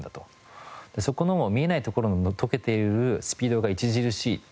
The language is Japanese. そこの見えない所の解けているスピードが著しい。